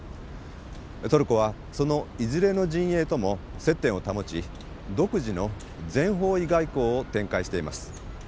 トルコはそのいずれの陣営とも接点を保ち独自の全方位外交を展開しています。